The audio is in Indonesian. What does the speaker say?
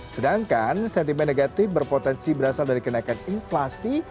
sedangkan sentimen negatif berpotensi berasal dari kenaikan inflasi